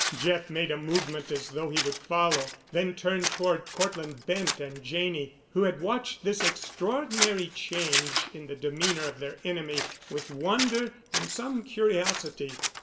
Jeff made a movement as though he would follow—then turned toward Cortland Bent and Janney, who had watched this extraordinary change in the demeanor of their enemy with wonder and some curiosity.